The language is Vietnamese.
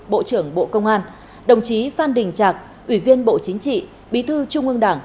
bộ trưởng bộ công an đồng chí phan đình trạc ủy viên bộ chính trị bí thư trung ương đảng